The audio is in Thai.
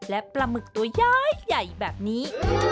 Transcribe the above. และปลาหมึกตัวยายแบบนี้